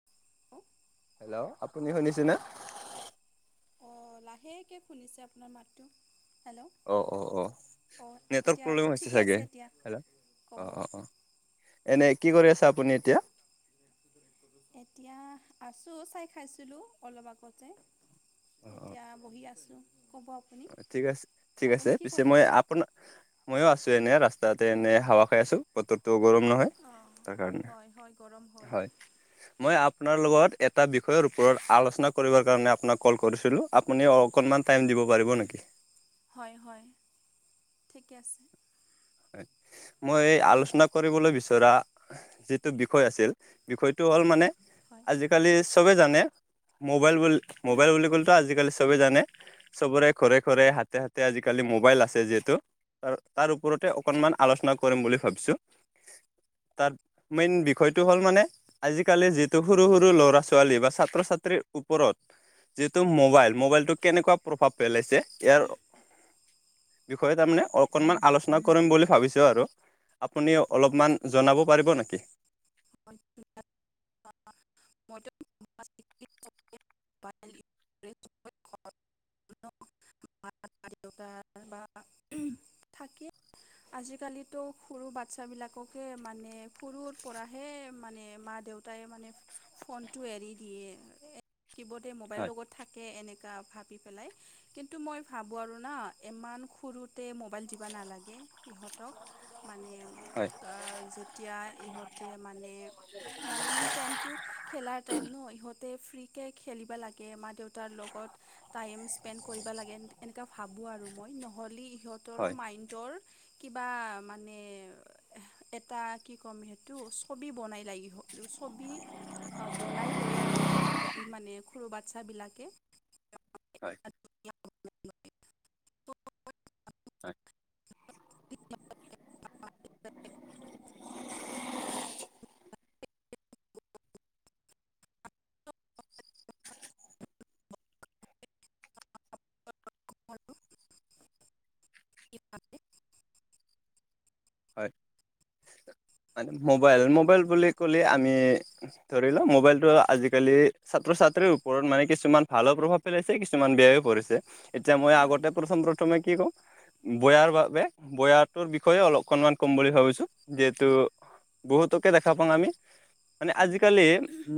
[unintelligible] Hello আপুনি শুনিছেনে? অঁ লাহেকে শুনিছে আপোনাৰ মাতটো হেল্ল', অ অ অ, অঁ নেটৱৰ্ক এতিয়া প্ৰব্লেম হৈছে ঠিকে আছে চাগে। এতিয়া হেল্ল', ক'ব অ অ অ। এনে কি কৰি আছা আপুনি এতিয়া। এতিয়া আছো চাই খাইছিলো অলপ আগতে। অ', অ', এতিয়া বহি আছোঁ ক'ব আপুনি ঠিক আছে ঠিক আছে, আপুনি কি পিছে কৰি মই আছে আপোনাৰ ময়ো আছো এনে ৰাস্তাতে এনে হাৱা খাই আছো বতৰটো গৰম নহয়। অঁ তাৰ কাৰণে হয় হয় গৰম হয়। মই আপোনাৰ লগত এটা বিষয়ৰ ওপৰত আলোচনা কৰিবৰ কাৰণে আপোনাক কল কৰিছিলোঁ। আপুনি অকনমান টাইম দিব পাৰিব নেকি? হয় হয় ঠিকে আছে। হয় মই এই আলোচনা কৰিবলৈ বিচৰা যিটো বিষয় আছিল বিষয়টো হ'ল মানে হয় আজিকালি চবে জানে, মোবাইল বুলি মোবাইল বুলি ক'লেতো আজিকালি চবেই জানে। চবৰে ঘৰে ঘৰে, হাতে হাতে আজিকালি মোবাইল আছে যিহেতু, তাৰ তাৰ ও ওপৰতে অকনমান আলোচনা কৰিম বুলি ভাবিছো, তাত মেইন বিষয়টো হ'ল মানে আজিকালি যিহেতু সৰু সৰু ল'ৰা ছোৱালী বা ছাত্ৰ ছাত্ৰীৰ ওপৰত যিহেতু মোবাইল, মোবাইলটো কেনেকুৱা প্ৰভাৱ পেলাইছে ইয়াৰ বিষয়ে হয় তাৰমানে অকণমান আলোচ না কৰিম বুলি ভাবিছোঁ আৰু আপুনি অলপমান জনাব পাৰিব নেকি? [unintelligible] [unintelligible] [unintelligible] মা দেউতাৰ বা থাকে। আজিকালিতো সৰু বাচ্ছাবিলাককে মানে সৰুৰ পৰা। সেই মানে মা দেউতাই মানে ফনটো এৰি দিয়ে আৰু এ শিৱদে মোবাইল হয় লগত থাকে এনেকা ভাবি পেলাই কিন্তু মই ভাবোঁ আৰু না ইমান সৰুত তে মোবাইল দিবা নালাগে ইহঁতক মানে হয় তাৰ যেতিয়া ইহঁতে মানে মানে টাইমটো খেলাৰ টাইম ন ইহঁতে ফ্ৰীকে খেলিব লাগে মা দেউতাৰ লগত, টাইম স্পেণ্ড কৰিব লাগে, এনেকা ভাবো আৰু মই নহলি ইহঁত, তৰো হয় মাইনডৰ কিবা মানে এহ এটা কি কম টো ছবি বনাই লাগি হওক ছবি বনাই লয় আৰু ইহ মানে সৰু বাচ্ছা বিলাকে হয় হয় [unintelligible] হয়। মানে মোবাইল মোবাইল বুলি কলে আমি ধৰি লোৱা মোবাইলটো আজিকালি ছাত্ৰ- ছাত্ৰীৰ ওপৰত মানে কিছুমান ভালো প্ৰভাৱ পেলাইছে কিছুমান বেয়া হৈ পৰিছে এতিয়া মই হয় আগতে প্ৰথম প্ৰথ থমে কি কও, বয়াৰ বাবে বয়াৰটোৰ বিষয়ে অলপকনমান কম বুলি ভাবিছো যেহে তু বহুতকে দেখা পাওঁ আমি মানে উম আজিকালি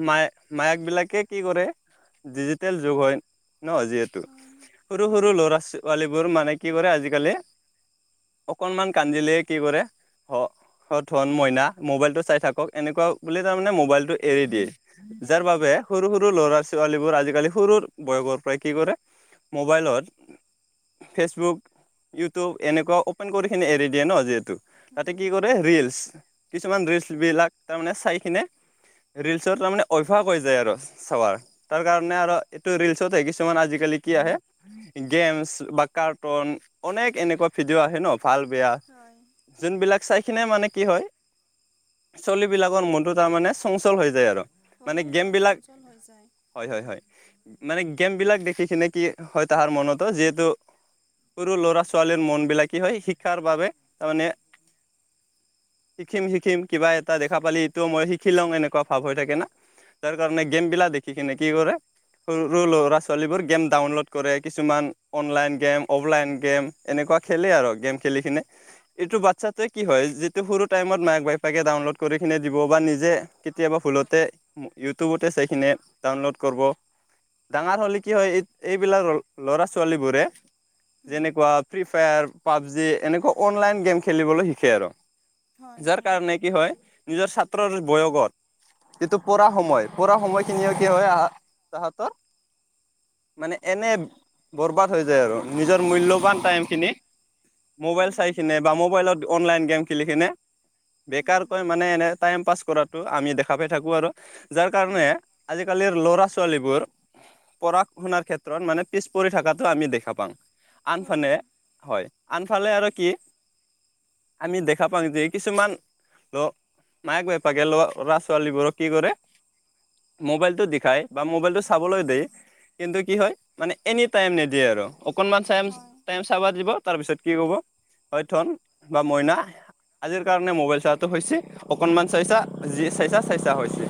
মায় মায়াকবিলাকে কি কৰে ডিজিটেল যুগ হয় ন যিহে হয় সৰু সৰু হয় ল'ৰা পোৱালীবোৰ মানে কি কৰে আজিকালি অকণমান কান্দিলেই কি কৰে সত ধন মইনা মোবাইলটো চাই থাকক এনেকুৱা বুলি তাৰমানে মোবাইলটো এৰি দিয়ে যাৰ এৰি বাবে দিয়ে সৰু সৰু ল'ৰা ছোৱালীবোৰ আজিকালি সৰু বয়সৰ পৰাই কি কৰে মোবাইলত ফেচবুক ইউটিউব এনেকুৱা অপেন কৰি খিনি এৰি দিয়ে ন যিহেতু তাতে উম কি কৰে ৰিলচ কিছুমান ৰিলচ হয় বিলাক তাৰমানে চাই কিনে ৰিলচৰ মানে অভ্যাস হৈ যায় আৰু চাৱাৰ তাৰ কাৰণে আৰু এইটো ৰিলচ আহি কিছুমান আজিকালি কি আহে গেমছ বা কাৰ্টুন অনেক এনেকুৱা ভিডিঅ' আহে ন ভাল বেয়া হয় যোনবিলাক চাই কিনে মানে কি হয় চলীবিলাকৰ মনটো তাৰমানে চঞ্চল হৈ যায় আৰু মানে হয় গেম হয় বিলাক চঞ্চল হৈ যায় হয় হয় উম হয় মানে গেম বিলাক দেখি কিনে কি হয় তাহাৰ মনতো যিহেতু সৰু ল'ৰা ছোৱালীৰ মনবিলাক কি হয় শিক্ষাৰ বাবে তাৰ মানে শিকিম শিকিম কিবা এটা দেখা পালি এইটো মই শিকি লং এনেকুৱা ভাৱ হৈ থাকে না তাৰ কাৰণে গেম বিলাক দেখি কিনে কি কৰে সৰু ল'ৰা ছোৱালীবোৰ গেম ডাউনলোড কৰে কিছুমান অনলাইন গেম অফলাইন গেম এনেকুৱা খেলে আৰু গেম খেলি কিনে এইটো বাচ্ছাত তই কি হয় যিটো সৰু টাইমত মাক বাপেকে ডাউনলোড কৰি কিননে দিব বা নিজে কেতিয়াবা ভুলতে ইউটিউবতে চাইখিনি ডাউনলোড কৰ ব ডাঙৰ হ'লে কি হয় এই এইবিলাক ল'ৰা ছোৱালীবোৰে উম যেনেকুৱা ফ্ৰী ফায়াৰ, পাবজি এনেকুৱা অনলাইন গেম খেলিবলৈ শিকে আৰু হয় যাৰ হয় কাৰণে কি হয় নিজৰ ছাত্ৰৰ বয়গত এইটো পঢ়া সময় পঢ়া সময় খিনি উম কি হয় আহ তাহতৰ মানে এনে বৰবাদ হৈ যায় আৰু নিজৰ মূল্যৱান হৈ যায় টাইমখিনি মোবাইল চাই উম কিনে বা মোবাইলত অনলাইন গেম খেলি কিনে উম বেকাৰকৈ মানে এনে টাইম পাছ কৰাটো আমি দেখা পাই থাকোঁ আৰু যাৰ কাৰণে হয় আজিকালিৰ ল'ৰা ছোৱালীবোৰ পঢ়া শুনাৰ ক্ষেত্ৰত মানে পিছ পৰি থকাটো আমি দেখা পাওঁ হয় আনফানে হয় আনফালে আৰু কি আমি দেখা পাওঁ যে কিছুমান ল মায়েক বেপাকে ল ল'ৰা ছোৱালীবোৰক কি কৰে মোবাইল টো দেখাই বা মোবাইলটো চাবলৈ দি কিন্তু কি হয় মানে এনি টাইম নিদিয়ে আৰু অকণমান চাইম হয় টাইম চাব দিব তাৰপিছত কি ক'ব হয় থন বা মইনা আজিৰ কাৰণে মোবাইল চোৱাটো হৈছে অকনমান চাইছা উম যি চাইছা চাইছা হৈছে।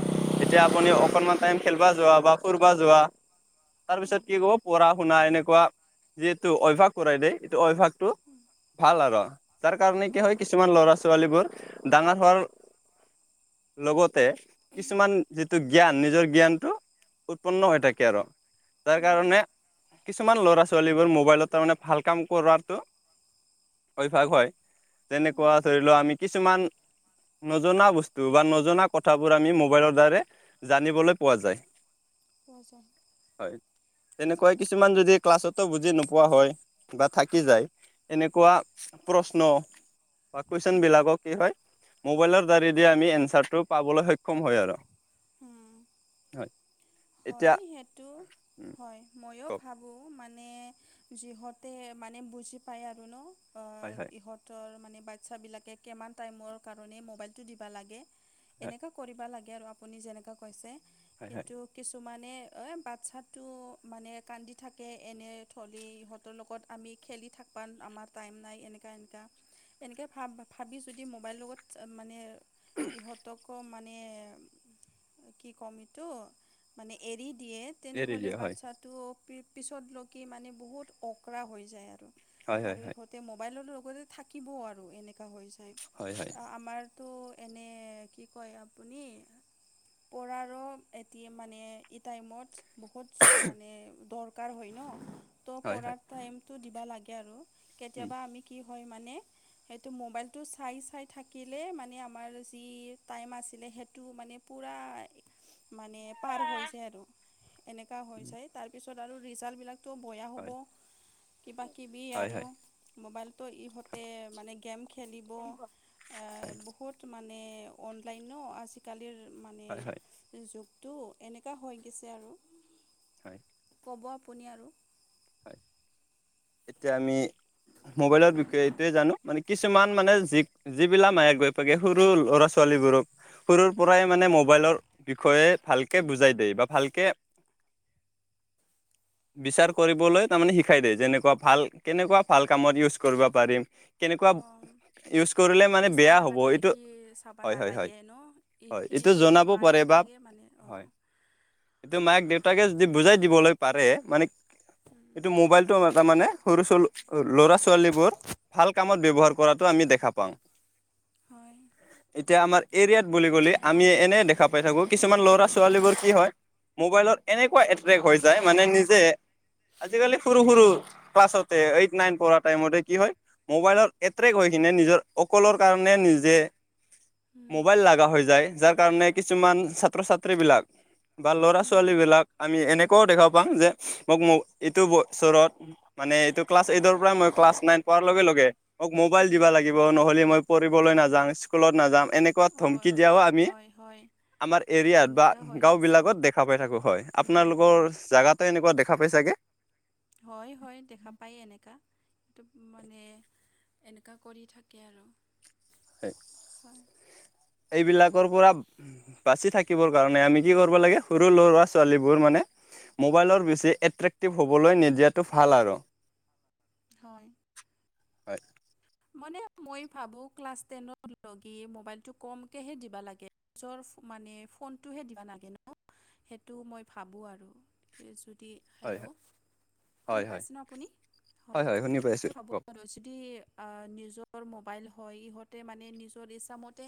এতিয়া আপুনি অকনমান টাইম খেলবা যোৱা বা ফুৰবা যোৱা। তাৰ উম পিছত কি কব পঢ়া শুনা এনেকুৱা যিহেটো অভ্যাস কৰাই দে, এইটো অভ্যাসটো উম ভাল আৰু। তাৰ কাৰণে কি হয় কিছুমান ল'ৰা ছোৱালীবোৰ ডাঙৰ হোৱাৰ লগতে কিছুমান যিটো জ্ঞান নিজৰ জ্ঞানটো উৎপন্ন হৈ থাকে আৰু তাৰ উম কাৰণে কিছুমান ল'ৰা ছোৱালীবোৰ মোবাইলত তাৰ মানে ভাল কাম কৰোঁৱাটো অভ্যাস হয় তেনেকুৱা উম ধৰি লওক আমি কিছুমান নজনা বস্তু বা নজনা কথাবোৰ আমি মোবাইলৰ দ্বাৰা জানিবলৈ পোৱা যায়৷ কৈজা [unintelligible] হয় তেনেকুৱা কিছুমান যদি ক্লাছতো বুজি নোপোৱা হয় বা থাকি যায় এনেকুৱা প্ৰশ্ন বা কুৱেশ্যন উম বিলাকক কি হয় মোবাইলৰ দ্বাৰেদি আমি এনচাৰটো পাবলৈ সক্ষম হয় আৰু। উম হয়। এতিয়া হয় সেইটো হয়। ময়ো কওক ভাবোঁ মানে যিহঁতে মানে বুজি পায় আৰু ন। অ হয় হয় ইহঁতৰ মানে বাচ্ছাবিলাকে কেমান টাইমৰ কাৰণেই মোবাইলটো দিবা লাগে হয় এনেকা কৰিব লাগে আৰু আপুনি যেনেকুৱা কৈছে। হয় হয় কিন্তু কিছুমানে এ বাচ্ছাটো মানে কান্দি থাকে এনে থলেই ইহঁত ইহঁতৰ লগত আমি খেলি থাকবা আমাৰ টাইম নাই এনেকা এনেকা এনেকে ভাব ভাবি যদি মোবাইলৰ লগত মানে ইহঁতকো মানে কি কম এইটো মানে এৰি দিয়ে এৰি তেনেহ'লে দিয়া হয়। বাচ্ছাত টো পিছতলৈকে মানে বহুত অঁকৰা হৈ যায় আৰু। হয় হয় আৰু হয় ইহঁত তো মোবাইলৰ লগতে থাকিবও আৰু এনেকুৱা হৈ যায়। হয় হয় আমাৰ তো এনে কি কয় আপুনি পৰা ৰ [unintelligible] মানে এই টাইমত বহুত মানে দৰকাৰ হয় ন, তো হয় হয় পঢ়াত টাইমটো দিবা লাগে আৰু উম কেতিয়াবা আমি কি হয় মানে সেইটো মোবাইলটো চাই-চাই থাকিলে মানে আমাৰ যি টাইম আছিলে সেইটো মানে পোৰা [inaudible] মানে পাৰ হৈ যায় আৰু এনেকুৱা হৈ উম যায় তাৰপিছত আৰু ৰিজাল্টবিলাক তো বয়া হ'ব হয় কিবাকিবি হয় আৰু হয় মবাইলটো ইহঁতে মানে গেম খেলিব হয় বহুত মানে অনলাই ন আজিকালিৰ মানে হয় হয় যুগ তো এনেকুৱা হৈ গৈছে আৰু। হয়। ক'ব আপুনি আৰু। হয়, এতিয়া আমি মোবাইলৰ বিষয়ে এইটোয়ে জানো মানে কিছুমান মানে যি যিবিলাক মায়েক বাপেকে সৰু ল'ৰা ছোৱালীবোৰক সৰুৰ পৰাই মানে মোবাইলৰ বিষয়ে ভালকে বুজাই দিয়ে বা ভালকে বিচাৰ কৰিবলৈ তাৰমানে শিখাই দিয়ে যেনেকুৱা ভাল কেনেকুৱা ভাল কামত ইউজ কৰিব পাৰিম কেনেকুৱা অঁ। ইউজ কৰিলে কি মানে বেয়া চাবা হ'ব লাগে এইটো কি চাবা হয় হয় হয় নালাগে ন হয় এইটো এইখিনিতো জনাব মা পাৰে দেউতা বা তাকে [unintelligible] মানে অঁ। হয় এইটো মাক দেউতাকে যদি বুজাই দিবলৈ পাৰে মানে এইটো মোবাইল একদম [unintelligible] তাৰ মানে সৰু চ ল'ৰা ছোৱালীবোৰ ভাল কামত ব্যৱহাৰ কৰাটো আমি দেখা পাওঁ। হয়। এতিয়া আমাৰ, এৰিয়াত বুলি ক'লে, আমি এনেই দেখা পাই থাকোঁ, কিছুমান ল'ৰা -ছোৱালীবোৰ কি হয় মোবাইলত এনেকুৱা এট্ৰেক্ট হৈ যায়। মানে, নিজে আজিকালি সৰু- সৰু ক্লাছতে, এইট -নাইন পঢ়া টাইমতে কি হয় মোবাইলত এট্ৰেক্ট হৈ কিনে নিজৰ অকলৰ কাৰণে নিজে উম, মোবাইল লগা হৈ যায়। যাৰ কাৰণে কিছুমান ছাত্ৰ ছাত্ৰীবিলাক বা ল'ৰা উম, ছোৱালী বিলাক আমি এনেকুৱাও দেখা পাওঁ যে মোক [unintelligible] এইটো বছৰত মানে, এইটো ক্লাছ এইটৰ পৰাই, মই ক্লাছ নাইন পোৱাৰ লগে লগে মোক মোবাইল উম। দিবা লাগিব? নহ'লে মই পঢ়িবলৈ নাযাওঁ, স্কুলত নাযাওঁ। এনে [unintelligible] ধমকি অঁ দিয়াও আমি। হয় হয় আমাৰ এৰিয়াত বা এনেকা হৈ গাঁও গৈছে বিলাকত দেখা পাই থাকোঁ। হয়! উম, আপোনালোকৰ উম। জেগাত ত' এনেুৱা দেখা পাই ছাগে? হয়, হয়! দেখা পায় এনেকা। তো মানে এনেকা কৰি থাকে আৰু। হয় এইবিলাকৰ পৰা বাছি থাকিবৰ কাৰণে, আমি কি কৰিব লাগে? সৰু লৰা -ছোৱালীবোৰ মানে মোবাইলৰ বেছি এট্ৰেক্টিভ হ'বলৈ নিদিয়াটো ভাল আৰু। হয়! হয় মানে, মই ভাবোঁ! ক্লাছ টেনৰ লৈকে মোবাইলটো কমকেহে দিব লাগে। নিজৰ মানে, ফোনটোহে দিব নালাগে ন'! সেইটো মই ভাবোঁ আৰু। এই, যদি হয় হেল্ল'? শুনি হয় হয় পাইছে ন' আপুনি? হয়! শুনি পাইছো কওক [unintelligible] আঁ নিজৰ মোবাইল হয়, ইহঁতে মানে, নিজৰ ইচ্ছামতে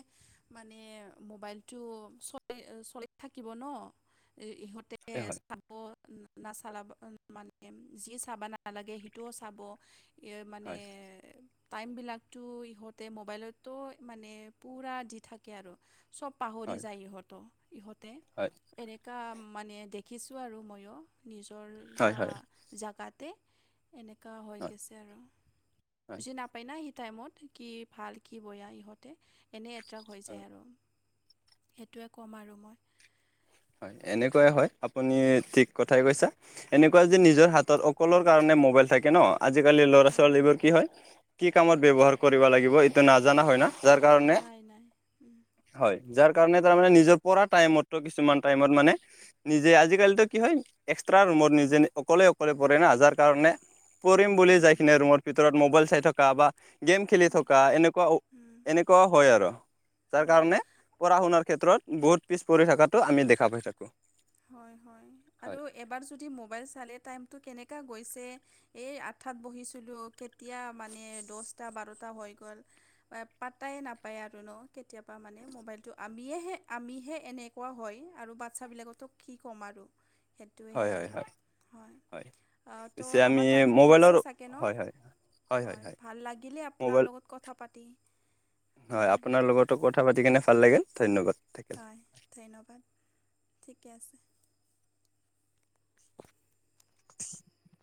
মানে, মোবাইলটো চলি, চলি থাকিব ন'। ইহঁতে হয় হয় [unintelligible] নাচালাব। [unintelligible] মানে, যি চাব নালাগে, সেইটোও চাব। [unintelligible] মানে হয় টাইমবিলাকতো, ইহঁতে মোবাইলতো মানে, পুৰা দি থাকে আৰু। চব পাহৰি হয় যায় ইহঁত', ইহঁতে। হয়! এনেকুৱা মানে, দেখিছোঁ আৰু মইয়ো। নিজৰ হয় হয় জা হয় জাগাতে এনেকা হৈ গৈছে আৰু। হয় বুজি নাই সেই টাইমত। কি ভাল, কি বেয়া ইহঁতে! এনেই এট্ৰেক্ট হৈ যাই হয় আৰু। সেইটোৱে ক'ম আৰু মই। হয়! এনেকুৱাই হয়। আপুনি ঠিক কথাই কৈছা! এনেকুৱা যদি উম, নিজৰ হাতত সকলোৰ কাৰণে, মোবাইল থাকে ন'! আজিকালি, ল'ৰা- অঁ ছোৱালীবোৰ কি হয় কি কামত ব্যৱহাৰ কৰিব লাগিব, এইটো নাজানা হয় না? যাৰ কাৰণে নাই নাই উম, হয়। যাৰ কাৰণে, তাৰমানে নিজৰ পঢ়া টাইমত কিছুমান টাইমত মানে, নিজে, আজিকালিতো কি হয়! এক্সট্ৰা ৰুমত নিজে অকলে -অকলে পঢ়ে হা! যাৰ কাৰণে, পঢ়িম বুলি উম, যাই উম, কিনে, ৰুমৰ ভিতৰত মোবাইল চাই থকা বা গেম খেলি থকা। এনেকুৱা, উম, এনে এনেকুৱা হয় আৰু। যাৰ উম, কাৰণে, পঢ়া -শুনাৰ ক্ষেত্ৰত, বহুত পিছ পৰি থকাটো আমি দে [unintelligible] হয়, হয়! আৰু হয় এবাৰ যদি, মোবাইল চালে টাইমটো কেনেকা গৈছে এই আঠ তাত বহিছিলোঁ। কেতিয়া মানে, দহটা- বাৰটা হৈ গ'ল। পাত্তাই নাপায় আৰু ন'! কেতিয়াবা মানে, মোবাইলটো। আমিয়েহে, আমিহে এনে কোৱা হয়! আৰু বাচ্ছাবিলাকতো কি ক'ম আৰু সেইটোৱে হয় হয় আৰু। হয় হয়! পিছে ত' আমি আমাৰ টাইমো মোবাইলৰ হৈছে চাগে ন'? হয় হয় হয়, ভাল লাগিলে আপোনাৰ মোবাইল লগত কথা পাতি। হয়, আপোনাৰ লগতো কথা পাতি কেনে ভাল লাগিল, ধন্যবাদ। থাকিল হয়, ধন্যবাদ! ঠিকে আছে। [inaudible]